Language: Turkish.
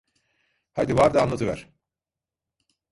Haydi var da anlatıver…